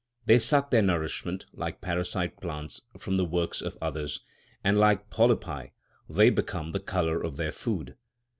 They suck their nourishment, like parasite plants, from the works of others, and like polypi, they become the colour of their food.